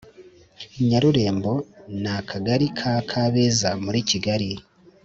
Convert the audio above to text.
Nyarurembo na Akagali ka Kabeza muri Kigali